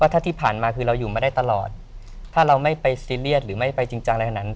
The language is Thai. ถ้าที่ผ่านมาคือเราอยู่มาได้ตลอดถ้าเราไม่ไปซีเรียสหรือไม่ไปจริงจังอะไรขนาดนั้น